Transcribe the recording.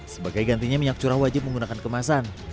sebagai gantinya minyak curah wajib menggunakan kemasan